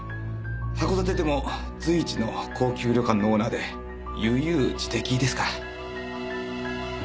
函館でも随一の高級旅館のオーナーで悠々自適ですから。